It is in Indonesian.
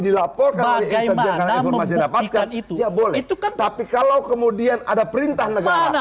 dilaporkan bagaimana memasih dapatkan itu ya boleh itu kan tapi kalau kemudian ada perintah negara